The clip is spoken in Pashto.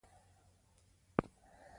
چا پاکه خاوره وژغورله؟